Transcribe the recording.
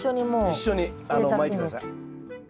一緒にまいて下さい。